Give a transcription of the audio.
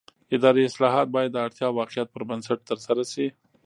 اداري اصلاحات باید د اړتیا او واقعیت پر بنسټ ترسره شي